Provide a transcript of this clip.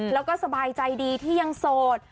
แล้วก็สบายใจดีที่ยังโสด